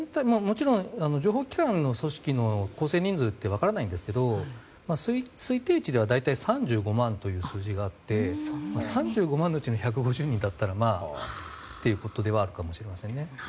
情報機関の組織の構成人数というのは分からないんですが推定値では３５万という数字があって３５万のうちの１５０人だったらまあっていうことではあるかもしれませんね。